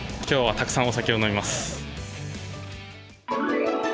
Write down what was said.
きょうはたくさんお酒を飲みます。